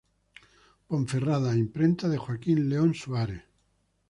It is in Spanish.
Ponferrada: Imprenta de Joaquín León Suárez.